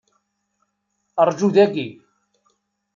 Rǧu dagi.